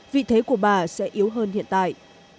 vị thế của bà sẽ yếu hơn hiện tại